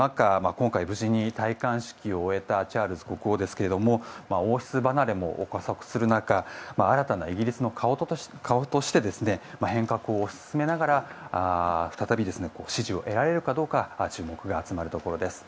今回、無事に戴冠式を終えたチャールズ国王ですけども王室離れも憶測する中新たなイギリスの顔として変革を進めながら再び支持を得られるかどうか注目が集まるところです。